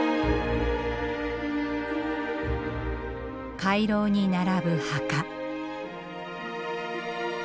回廊に並ぶ墓。